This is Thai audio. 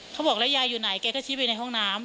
เขาบอกแล้วยายอยู่ไหนแกก็ชี้ไปในห้องน้ำ